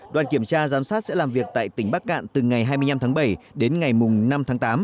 đoàn kiểm tra giám sát sẽ làm việc tại tỉnh bắc cạn từ ngày hai mươi năm tháng bảy đến ngày năm tháng tám